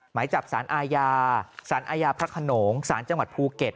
หมายจับสารอาญาสารอาญาพระขนงสารจังหวัดภูเก็ต